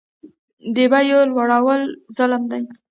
د بیو لوړول ظلم دی